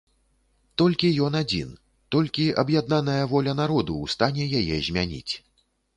Толькі ён адзін, толькі аб'яднаная воля народу ў стане яе змяніць.